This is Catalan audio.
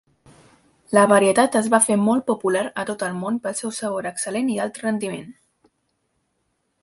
La varietat es va fer molt popular a tot el món pel seu sabor excel·lent i alt rendiment.